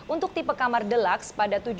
untuk tipe kamar deluxe